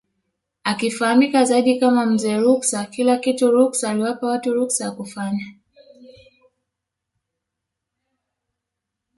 Akifahamika zaidi kama Mzee Ruksa Kila kitu ruksa aliwapa watu ruksa ya kufanya